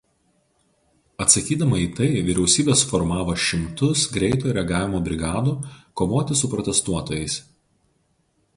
Atsakydama į tai vyriausybė suformavo šimtus „greitojo reagavimo brigadų“ kovoti su protestuotojais.